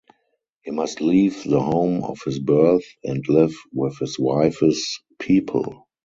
He must leave the home of his birth and live with his wife's people.